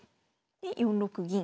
で４六銀。